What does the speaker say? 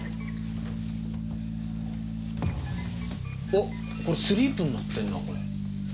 おこれスリープになってるなこれ。